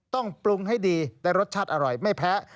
ต้องปรุงให้ดีและรสชาติอร่อยไม่แพ้